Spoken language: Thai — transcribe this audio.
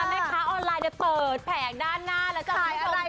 แม่ค้าออนไลน์เดียวเปิดแผงด้านหน้าแล้วก่อนนี้เราจะ